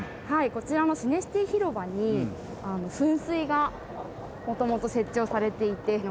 こちらのシネシティ広場に噴水が元々設置をされていて路肩に。